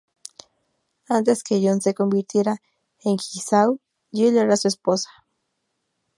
Antes de que John se convirtiera en Jigsaw, Jill era su esposa.